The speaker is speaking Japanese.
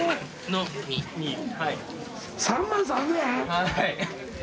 はい。